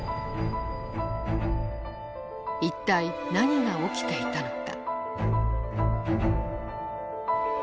一体何が起きていたのか。